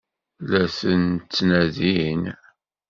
La tent-ttnadin?